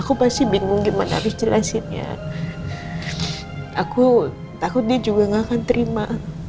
aku pasti bingung gimana abis jelasinnya aku takut dia juga nggak akan terima